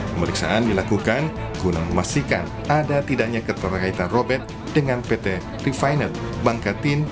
pemeriksaan dilakukan guna memastikan ada tidaknya keterkaitan robert dengan pt prefinet bangketin